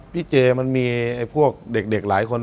เจมันมีพวกเด็กหลายคน